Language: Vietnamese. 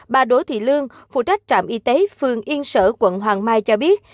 bà đỗ thị lương phụ trách trạm y tế phường yên sở quận hoàng mai cho biết